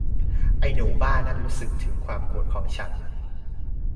ไอ้หนูบ้านั่นรู้สึกถึงความโกรธของฉัน